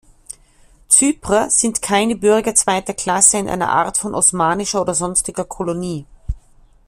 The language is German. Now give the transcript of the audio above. Zyprer sind keine Bürger zweiter Klasse in einer Art von osmanischer oder sonstiger Kolonie.